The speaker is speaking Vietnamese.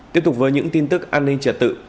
tiếp tục với những tin tức an ninh trật tự